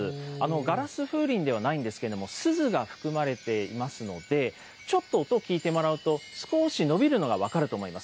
ガラス風鈴ではないんですけど、すずが含まれていますので、ちょっと音聞いてもらうと、少しのびるのが分かると思います。